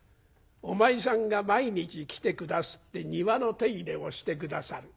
「お前さんが毎日来て下すって庭の手入れをして下さる。